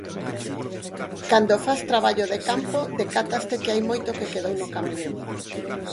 Cando fas traballo de campo decátaste que hai moito que quedou no camiño.